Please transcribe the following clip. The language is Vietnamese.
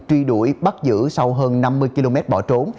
truy đuổi bắt giữ sau hơn năm mươi km bỏ trốn